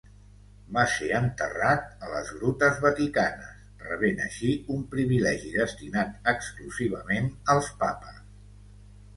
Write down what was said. Va ser enterrat a les Grutes vaticanes, rebent així un privilegi destinat exclusivament als Papes.